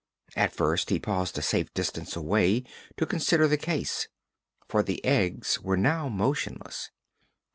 At first he paused a safe distance away to consider the case, for the eggs were now motionless.